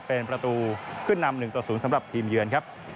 เป็นประตูขึ้นนำ๑๐สำหรับทีมเยือน